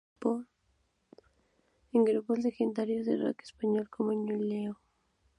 Participó en grupos legendarios del rock español como Ñu y Leño.